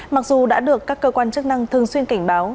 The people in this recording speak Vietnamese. mặc dù đã được các cơ quan chức năng thường xuyên cảnh báo